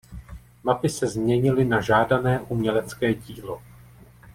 Mapy se změnily na žádané umělecké dílo.